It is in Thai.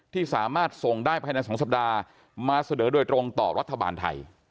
ที่สามารถส่งได้ภายใน๒สัปดาห์มาเสนอโดยตรงต่อรัฐบาลไทย